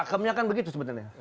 kemnya kan begitu sebenarnya